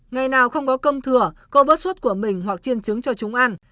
ngày nào không có cơm thừa cô bớt suốt của mình hoặc chiên trứng cho chúng ăn